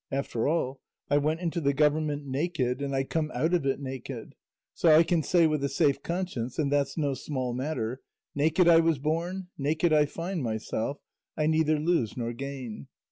After all I went into the government naked, and I come out of it naked; so I can say with a safe conscience and that's no small matter 'naked I was born, naked I find myself, I neither lose nor gain.